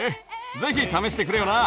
ぜひ試してくれよな。